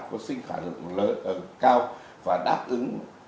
có sinh khả lượng cao và đáp ứng